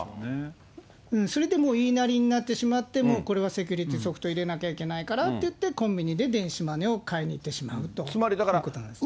それでもう言いなりになってしまって、もうこれはセキュリティソフト入れなきゃいけないからっていって、コンビニで電子マネーを買いに行ってしまうということなんですね。